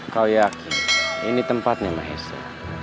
kau yakin ini tempatnya mahisnya